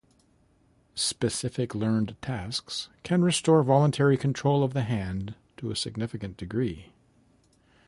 Specific learned tasks can restore voluntary control of the hand to a significant degree.